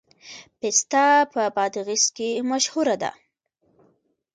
پسته په بادغیس کې مشهوره ده